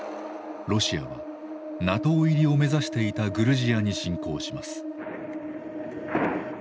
ロシアはＮＡＴＯ入りを目指していたグルジアに侵攻します。